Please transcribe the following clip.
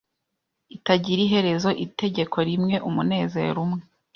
itagira iherezo Itegeko rimwe umunezero umwe